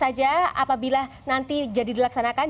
apabila nanti jadi dilaksanakan